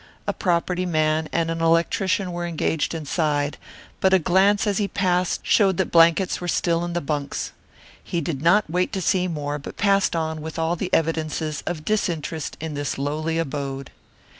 A property man and an electrician were engaged inside, but a glance as he passed showed that the blankets were still in the bunks. He did not wait to see more, but passed on with all evidences of disinterest in this lowly abode.